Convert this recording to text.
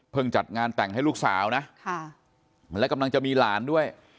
จัดงานแต่งให้ลูกสาวนะและกำลังจะมีหลานด้วย